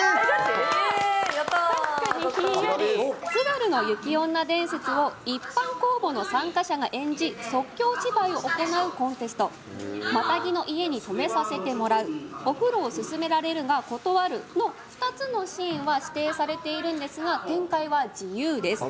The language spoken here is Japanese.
イエーイやった確かにひんやり津軽の雪女伝説を一般公募の参加者が演じ即興芝居を行うコンテストマタギの家に泊めさせてもらうお風呂を勧められるが断るの２つのシーンは指定されているんですが展開は自由です